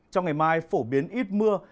trong ngày mai phổ biến ít mưa